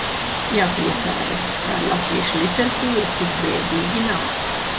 Jāpriecājas, ka ar latviešu literatūru tik bēdīgi nav.